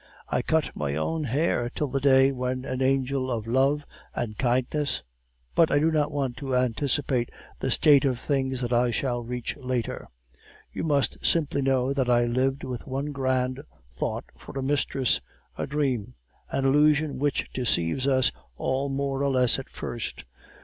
I cut my own hair till the day when an angel of love and kindness... But I do not want to anticipate the state of things that I shall reach later. You must simply know that I lived with one grand thought for a mistress, a dream, an illusion which deceives us all more or less at first.